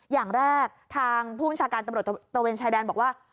อย่างแรกทางผู้บัญชาการตำรวจตะเวนชายแดนบอกว่า